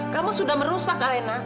kamu sudah merusak alena